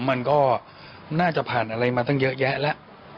มันก็น่าจะผ่านอะไรมาตั้งเยอะแยะแล้ว